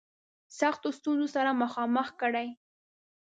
سختو ستونزو سره مخامخ کړي.